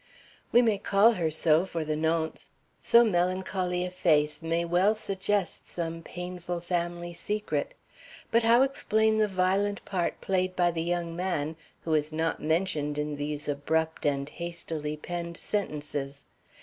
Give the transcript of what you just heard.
"We may call her so for the nonce. So melancholy a face may well suggest some painful family secret. But how explain the violent part played by the young man, who is not mentioned in these abrupt and hastily penned sentences!